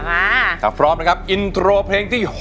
คุณยายแดงคะทำไมต้องซื้อลำโพงและเครื่องเสียง